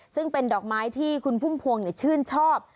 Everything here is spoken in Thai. ซึ่งเป็นดอกไม้ที่คุณพุ่มพวงชื่นชอบ